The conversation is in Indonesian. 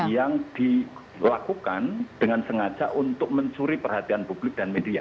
yang dilakukan dengan sengaja untuk mencuri perhatian publik dan media